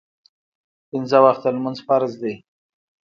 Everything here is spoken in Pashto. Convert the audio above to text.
پنځه وخته لمونځ فرض ده